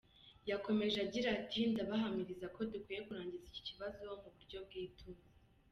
Yakomeje agira ati “Ndabahamiriza ko dukwiye kurangiza iki kibazo mu bucyo bw’ituze.